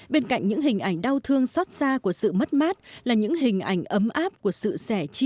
bên cạnh những hình ảnh đau thương xót xa của sự mất mát là những hình ảnh ấm áp của sự sẻ chia